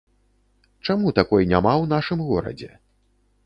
Чаму такой няма ў нашым горадзе?